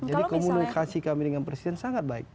komunikasi kami dengan presiden sangat baik